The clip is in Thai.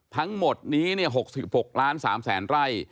ทั้งหมดนี้๖๖ล้าน๓แสนไร่